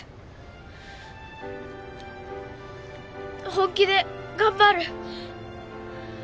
本気で頑張る。